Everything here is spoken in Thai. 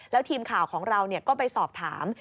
แล้วทีมข่าวของเราก็ไปสอบถาม